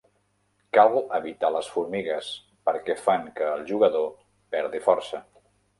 Cal evitar les formigues, perquè fan que el jugador perdi força.